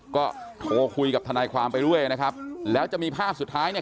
ก็โทรคุยกับทนายความไปด้วยนะครับแล้วจะมีภาพสุดท้ายเนี่ย